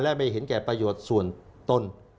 และไม่เห็นแก่ประโยชน์ส่วนตน